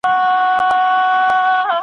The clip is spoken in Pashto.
هغه خلګ چي د ادم په قدم پل ايږدي بریالي کیږي.